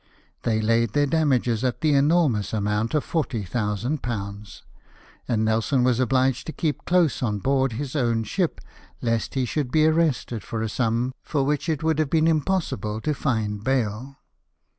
They laid their damages at the enormous amount o± £40,000 ; and Nelson was obliged to keep close on board his own ship, lest he should be arrested for a sum for which it would have been impossible to find 40 LIFE OF NELSON. bail.